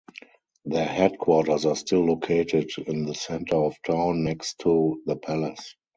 Their headquarters are still located in the centre of town, next to "the palace".